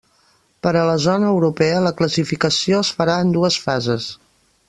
Per a la zona europea la classificació es farà en dues fases.